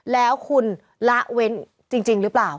แล้วคุณละเว้นจริงหรือเปล่า